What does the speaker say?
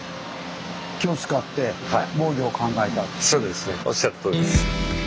そうですねおっしゃるとおりです。